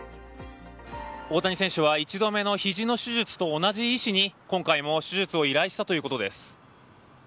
大谷選手は１度目のひじの手術と同じ医師に、今回も手術を依頼したということです。